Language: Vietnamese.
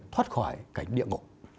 thoát khỏi cảnh địa ngộ